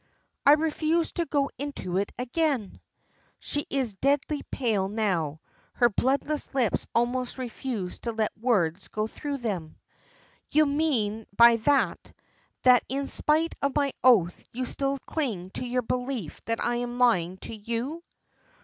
"I refuse to go into it again." She is deadly pale now. Her bloodless lips almost refuse to let the words go through them. "You mean by that, that in spite of my oath you still cling to your belief that I am lying to you?"